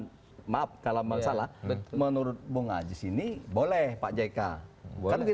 bisa disampaikan tadi dan sudah ngangkit vermanuel itu iya tapi kemudian jika aja pak hya